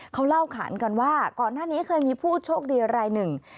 เขาเล่าขานกันว่าก่อนหน้านี้เคยมีผู้โชคดีรายหนึ่ง